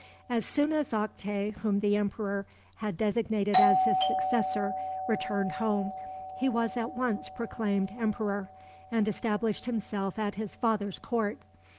As soon as Oktay, whom the emperor had designated as his successor, returned home, he was at once proclaimed emperor, and established himself at his father's court.